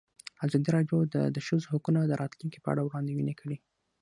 ازادي راډیو د د ښځو حقونه د راتلونکې په اړه وړاندوینې کړې.